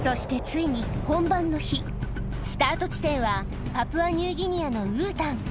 ついにスタート地点はパプアニューギニアのウータン